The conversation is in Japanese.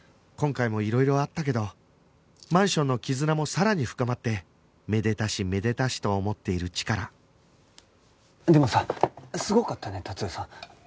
今回もいろいろあったけどマンションの絆もさらに深まってめでたしめでたしと思っているチカラでもさすごかったね達代さん。